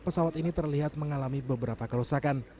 pesawat ini terlihat mengalami beberapa kerusakan